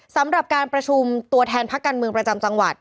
สำหรับการประชุมตัวแทนพักการเมืองประจำจังหวัด